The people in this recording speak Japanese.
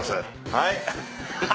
はい。